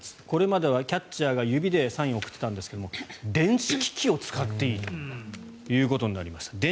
これまではキャッチャーが指でサインを送っていたんですが電子機器を使っていいということになりました。